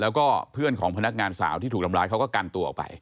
แล้วก็เพื่อนของพนักงานสาวที่ถูกทำร้ายเขาก็กันตัวออกไป